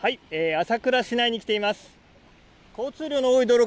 朝倉市内に来ています。